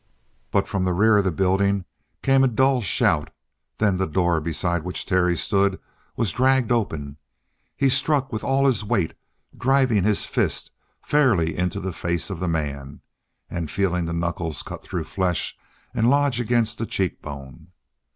But from the rear of the building came a dull shout; then the door beside which Terry stood was dragged open he struck with all his weight, driving his fist fairly into the face of the man, and feeling the knuckles cut through flesh and lodge against the cheekbone.